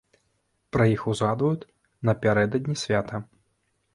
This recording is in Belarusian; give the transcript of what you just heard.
Пра іх узгадваюць напярэдадні свята.